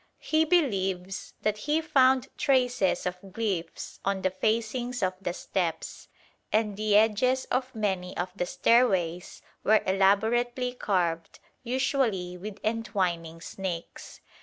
He believes that he found traces of glyphs on the facings of the steps; and the edges of many of the stairways were elaborately carved, usually with entwining snakes.